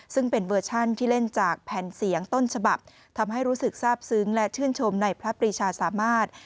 ซึ่งเป็นเวอร์ชันที่เล่นจากแผ่นเสียงต้นฉบับทำให้รู้สึกทราบซึ้งและชื่นชมในพระปรีชาสามารถ